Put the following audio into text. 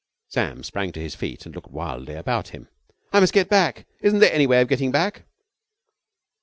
Sam sprang to his feet and looked wildly about him. "I must get back. Isn't there any way of getting back?"